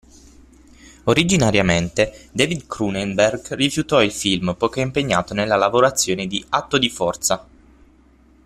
Originariamente, David Cronenberg rifiutò il film poiché impegnato nella lavorazione di "Atto di forza".